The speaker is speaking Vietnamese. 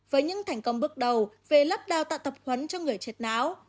với những thành công bước đầu về lớp đào tạo tập huấn cho người chết não